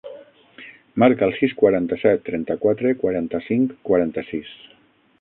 Marca el sis, quaranta-set, trenta-quatre, quaranta-cinc, quaranta-sis.